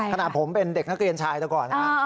ขณะผมเป็นเด็กนักเรียนชายแต่ก่อนนะ